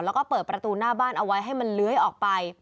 แล้วก็เปิดประตูหน้าบ้านเอาไว้ให้มันเลื้อยออกไป